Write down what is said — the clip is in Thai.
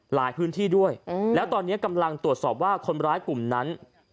หลายพื้นที่ด้วยแล้วตอนนี้กำลังตรวจสอบว่าคนร้ายกลุ่มนั้น